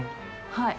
はい。